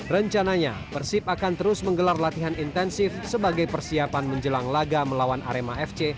rencananya persib akan terus menggelar latihan intensif sebagai persiapan menjelang laga melawan arema fc